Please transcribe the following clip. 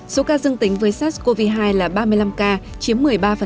số ca dương tính với sars cov hai là ba mươi năm ca chiếm một mươi ba